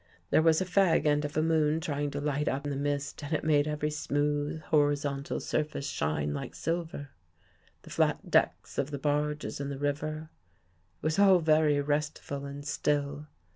There was a fag end of a moon trying to light up the mist and it made every smooth, horizon tal surface shine like silver — the flat decks of the barges in the river. It was all very restful and still.